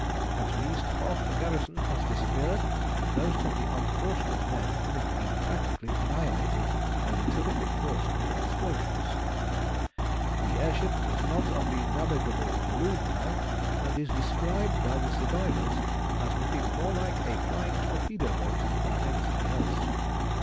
At least half the garrison has disappeared, most of the unfortunate men having been practically annihilated by the terrific force of the explosions. The air ship was not of the navigable balloon type, and is described by the survivors as looking more like a flying torpedo boat than anything else.